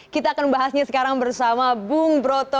kita akan membahasnya sekarang bersama bung broto